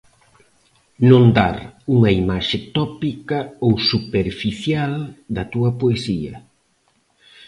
Non dar unha imaxe tópica, ou superficial, da túa poesía.